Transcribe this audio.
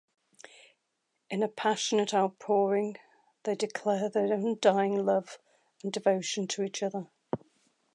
In a passionate outpouring they declare their undying love and devotion to each other.